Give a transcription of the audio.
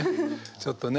ちょっとね。